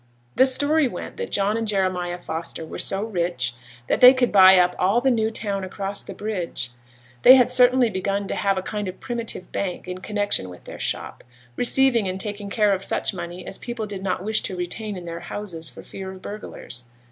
The story went that John and Jeremiah Foster were so rich that they could buy up all the new town across the bridge. They had certainly begun to have a kind of primitive bank in connection with their shop, receiving and taking care of such money as people did not wish to retain in their houses for fear of burglars.